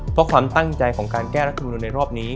เพราะความตั้งใจของการแก้รัฐมนุนในรอบนี้